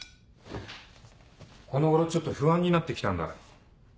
この頃ちょっと不安になって来たんだ。